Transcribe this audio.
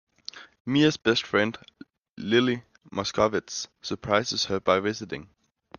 Mia's best friend, Lilly Moscovitz, surprises her by visiting.